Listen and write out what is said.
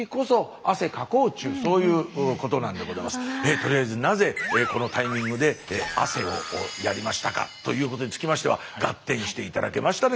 とりあえずなぜこのタイミングで「汗」をやりましたかということにつきましてはガッテンして頂けましたでしょうか？